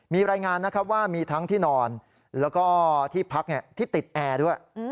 มีรายงานนะครับว่ามีทั้งที่นอนแล้วก็ที่พักที่ติดแอร์ด้วย